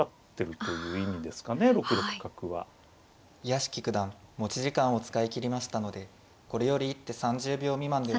屋敷九段持ち時間を使いきりましたのでこれより一手３０秒未満で。